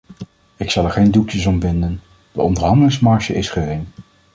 Ik zal er geen doekjes om winden: de onderhandelingsmarge is gering.